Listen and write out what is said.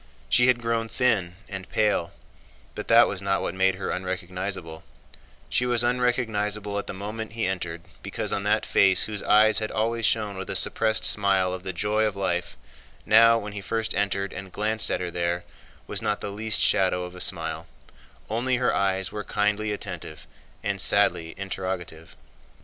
She had grown thin and pale, but that was not what made her unrecognizable; she was unrecognizable at the moment he entered because on that face whose eyes had always shone with a suppressed smile of the joy of life, now when he first entered and glanced at her there was not the least shadow of a smile: only her eyes were kindly attentive and sadly interrogative.